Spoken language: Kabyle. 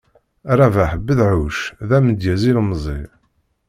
Rabaḥ Bedaɛuc, d amedyaz ilemẓi.